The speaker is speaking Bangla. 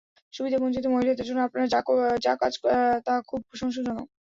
সুবিধাবঞ্চিত মহিলাদের জন্য আপনার যা কাজ তা খুব প্রশংশাজনক।